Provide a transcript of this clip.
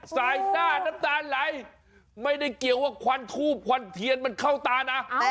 สายซ่าน้ำตาลไหลไม่ได้เกี่ยวว่าควันทูบควันเทียนมันเข้าตานะ